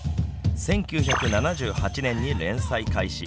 １９７８年に連載開始。